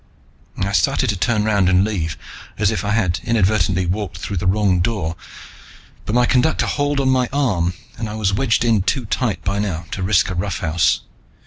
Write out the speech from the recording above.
I started to turn round and leave, as if I had inadvertently walked through the wrong door, but my conductor hauled on my arm, and I was wedged in too tight by now to risk a roughhouse.